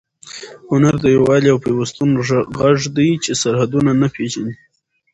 هنر د یووالي او پیوستون غږ دی چې سرحدونه نه پېژني.